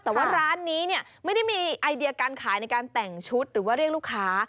แต่ว่าร้านนี้เนี่ยไม่ได้มีไอเดียการขายในการแต่งชุดหรือว่าเรียกลูกค้า